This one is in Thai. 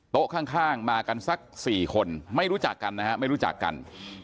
ข้างมากันสัก๔คนไม่รู้จักกันนะฮะไม่รู้จักกัน